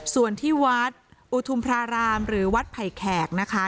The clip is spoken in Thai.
ส่วนที่วัดอุทุมพระรามหรือวัดไผ่แขกนะคะ